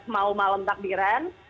mau malam takdiran